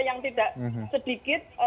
yang tidak sedikit